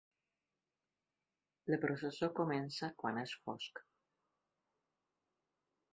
La Processó comença quan és fosc.